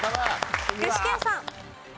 具志堅さん。